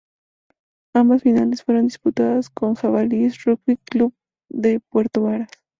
Ambas finales fueron disputadas con Jabalíes Rugby Club de Puerto Varas.